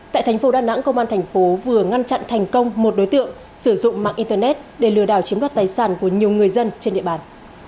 tại thành phố đà nẵng công an thành phố vừa ngăn chặn thành công một đối tượng sử dụng mạng internet để lừa đảo chiếm đoạt tài sản của nhiều người dân trên địa bàn